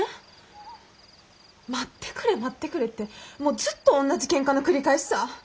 待ってくれ待ってくれってもうずっと同じケンカの繰り返しさ。